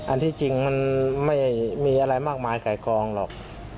ที่จริงมันไม่มีอะไรมากมายไก่กองหรอก